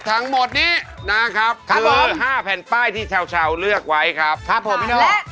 ทั้งหมดนี้นะครับพร้อม๕แผ่นป้ายที่ชาวเลือกไว้ครับครับผมพี่น้อง